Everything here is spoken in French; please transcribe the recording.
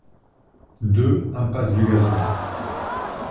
deux impasse du Gazon